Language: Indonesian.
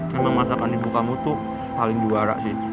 emang masakan ibu kamu tuh paling juara sih